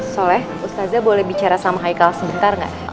soleh ustazah boleh bicara sama haikal sebentar nggak